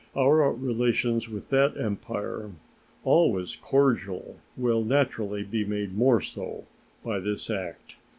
Our relations with that Empire, always cordial, will naturally be made more so by this act.